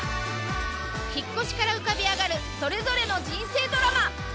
引っ越しから浮かび上がるそれぞれの人生ドラマ！